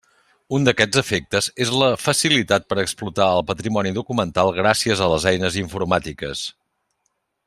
Un d'aquests efectes és la facilitat per explotar el patrimoni documental gràcies a les eines informàtiques.